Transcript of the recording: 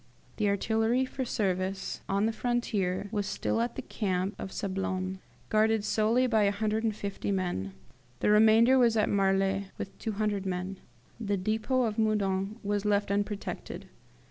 "The artillery for service on the frontier was still at the camp of Sablons, guarded solely by 150 men; the remainder was at Marly with 200 men. The depot of Meudon was left unprotected.